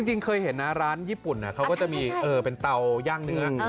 จริงเคยเห็นนะร้านญี่ปุ่นเขาก็จะมีเป็นเตาย่างเนื้อ